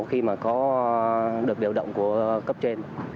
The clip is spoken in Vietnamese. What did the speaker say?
khi mà có được điều động của cấp trên